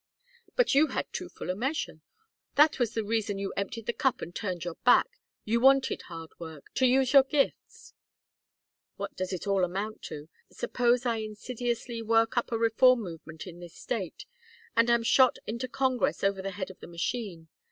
"But you had too full a measure. That was the reason you emptied the cup and turned your back. You wanted hard work to use your gifts." "What does it all amount to? Suppose I insidiously work up a reform movement in this State, and am shot into Congress over the head of the machine?